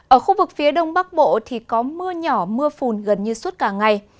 ở khu vực phía đông bắc bộ thì có mưa nhỏ mưa phùn gần như suốt cả ngày